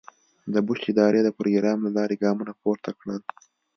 د بوش ادارې د پروګرام له لارې ګامونه پورته کړل.